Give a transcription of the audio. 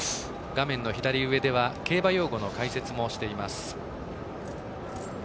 画面の左上では競馬用語の解説もしています。